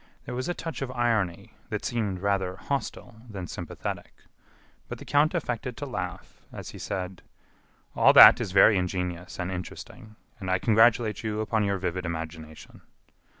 There was a touch of irony, that seemed rather hostile than sympathetic. But the count affected to laugh, as he said: "All that is very ingenious and interesting, and I congratulate you upon your vivid imagination."